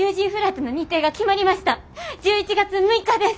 １１月６日です！